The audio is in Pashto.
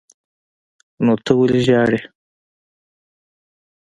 نو ته ولې ژاړې.